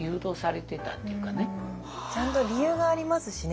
ちゃんと理由がありますしね